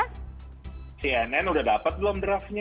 cnn udah dapat belum draftnya